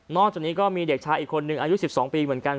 นอกจากนี้ก็มีเด็กชายอีกคนหนึ่งอายุสิบสองปีเหมือนกัน